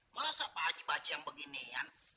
masa pakcik pakcik yang beginian